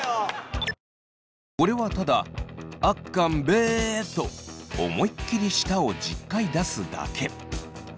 これはただあっかんべぇーと思いっきり舌を１０回出すだけ！